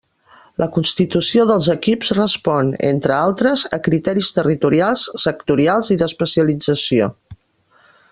La constitució dels equips respon, entre altres, a criteris territorials, sectorials i d'especialització.